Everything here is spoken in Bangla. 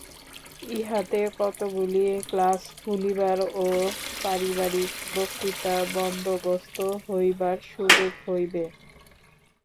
ইহাতে কতকগুলি ক্লাস খুলিবার ও পারিবারিক বক্তৃতার বন্দোবস্ত হইবার সুবিধা হইবে।